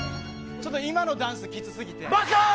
ちょっと今のダンスきつすぎて。